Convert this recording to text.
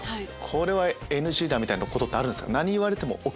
これはＮＧだ！みたいなことってあるんですか？